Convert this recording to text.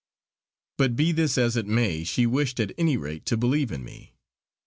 But be this as it may, she wished at any rate to believe in me.